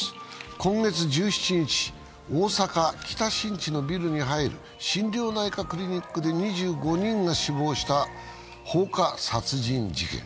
今月１７日、大阪・北新地のビルに入る心療内科クリニックで２５人が死亡した放火殺人事件。